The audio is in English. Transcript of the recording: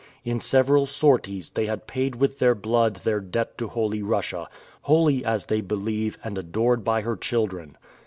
In several sorties, they had paid with their blood their debt to holy Russia holy as they believe, and adored by her children!